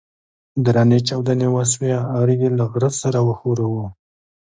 درنې چاودنې وسوې غر يې له غره سره وښوراوه.